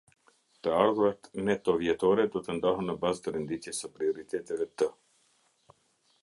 Të ardhurat neto vjetore do të ndahen në bazë të renditjes së prioriteteve të.